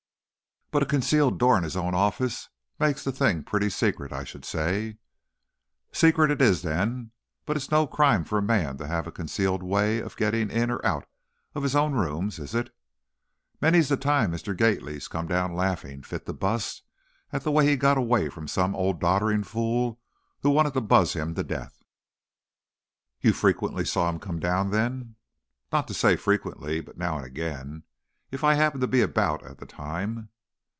"But a concealed door in his own office makes the thing pretty secret, I should say." "Secret it is, then. But it's no crime for a man to have a concealed way of gettin' into or out of his own rooms, is it? Many's the time Mr. Gately's come down laughing fit to bust at the way he got away from some old doddering fool who wanted to buzz him to death!" "You frequently saw him come down, then?" "Not to say frequently, but now and again. If I happened to be about at the time."